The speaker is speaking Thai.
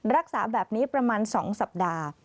รักษาแบบนี้ประมาณ๒สัปดาห์